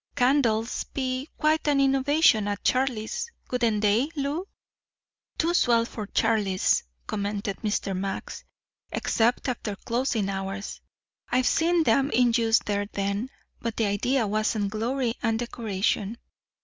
Candles'd be quite an innovation at Charlie's, wouldn't they, Lou?" "Too swell for Charlie's," commented Mr. Max. "Except after closing hours. I've seen 'em in use there then, but the idea wasn't glory and decoration."